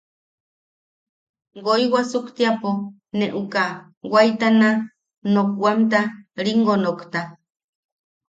Woi wasuktiapo ne uka waetana nokwamta ringo nokta.